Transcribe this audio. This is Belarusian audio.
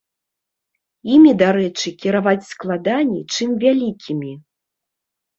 Імі, дарэчы, кіраваць складаней, чым вялікімі.